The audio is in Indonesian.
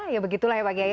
ya begitulah ya pak kiai